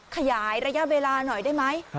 ขยายระยะเวลาหน่อยได้ไหม